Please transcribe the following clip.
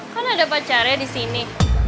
kan ada pacarnya di sini